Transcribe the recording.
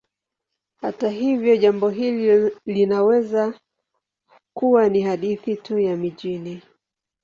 Hata hivyo, jambo hili linaweza kuwa ni hadithi tu ya mijini.